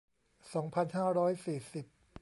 สองพันห้าร้อยสี่สิบ